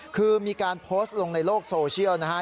คือมีการโพสต์ลงในโลกโซเชียลนะฮะ